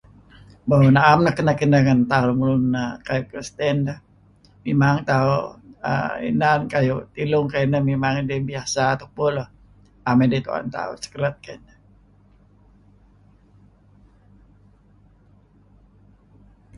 Mo na'em neh nuk kineh-kineh ngan tauh lun Kristen neh, memang tauh err inan kayu' tilung memang idih biasa tupu lah, 'am idih tu'en tauh secret keh.